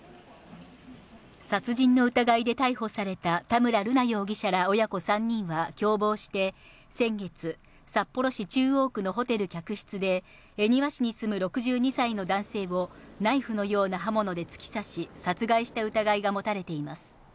殺人の疑いで逮捕された田村瑠奈容疑者ら親子３人は共謀して先月、札幌市中央区のホテル客室で、恵庭市に住む６２歳の男性をナイフのような刃物で突き刺し、殺害した疑いが持たれています。